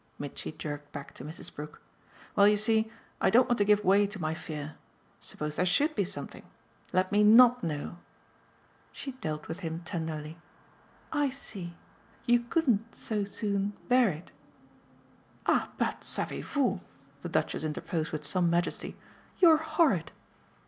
Mitchy jerked back to Mrs. Brook. "Well, you see, I don't want to give way to my fear. Suppose there SHOULD be something! Let me not know." She dealt with him tenderly. "I see. You couldn't so soon bear it." "Ah but, savez vous," the Duchess interposed with some majesty, "you're horrid!"